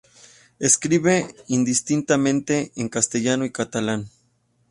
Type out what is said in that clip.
Escribe indistintamente en castellano y catalán.